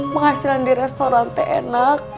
penghasilan di restoran teh enak